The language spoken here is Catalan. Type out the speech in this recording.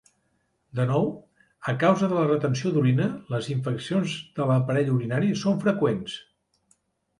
De nou, a causa de la retenció d'orina, les infeccions de l'aparell urinari són freqüents.